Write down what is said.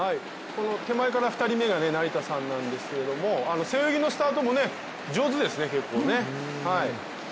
手前から２人目が成田さんなんですけれども背泳ぎのスタートも上手ですね結構ね。